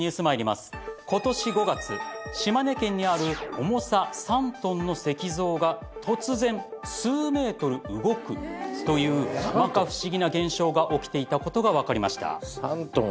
今年５月島根県にある重さ３ｔの石像が突然数メートル動くというまか不思議な現象が起きていたことが分かりました。